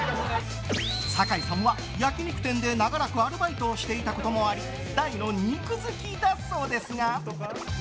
酒井さんは焼き肉店で長らくアルバイトをしていたこともあり大の肉好きだそうですが。